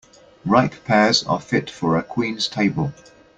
Ripe pears are fit for a queen's table.